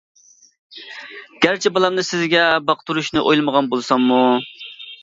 گەرچە بالامنى سىزگە باقتۇرۇشنى ئويلىمىغان بولساممۇ.